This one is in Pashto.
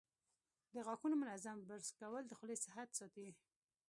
د غاښونو منظم برش کول د خولې صحت ساتي.